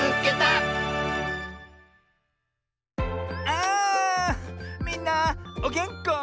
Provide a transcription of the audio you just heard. あみんなおげんこ？